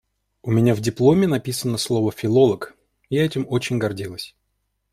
У меня в дипломе написано слово «филолог», я этим очень гордилась.